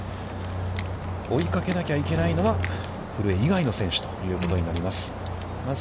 追いかけなきゃいけないのは、古江以外の選手ということになります。